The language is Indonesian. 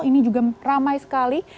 ini juga ramai sekali